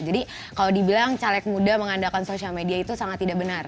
jadi kalau dibilang caleg muda mengandalkan sosial media itu sangat tidak benar